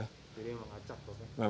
jadi memang acak